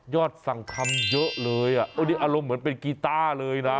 ยอดสั่งคำเยอะเลยอ้ะอารมณ์เหมือนเป็นกิต้าเลยน่ะ